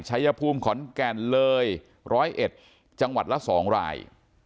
ชายภูมิขอนแก่นเลย๑๐๑จังหวัดละ๒ราย